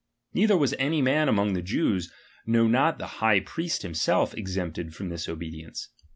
Neither was any man among the Jews, no not the high priest him self, exempted from this obedience.